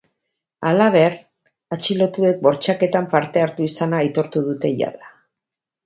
Halaber, atxilotuek bortxaketan parte hartu izana aitortu dute jada.